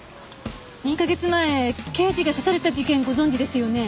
２カ月前刑事が刺された事件ご存じですよね？